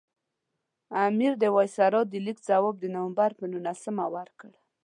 امیر د وایسرا د لیک ځواب د نومبر پر نولسمه ورکړ.